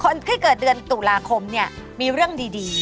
คนที่เกิดเดือนตุลาคมเนี่ยมีเรื่องดี